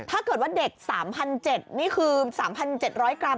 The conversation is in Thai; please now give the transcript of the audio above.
ถ้าเกิดว่าเด็ก๓๗๐๐นี่คือ๓๗๐๐กรัม